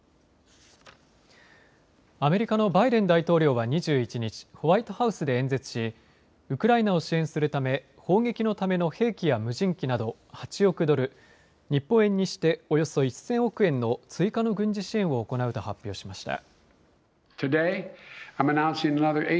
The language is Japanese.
アメリカのバイデン大統領は２１日ホワイトハウスで演説しウクライナを支援するため砲撃のための兵器や無人機など８億ドル、日本円にしておよそ１０００億円の追加の軍事支援を行うと発表しました。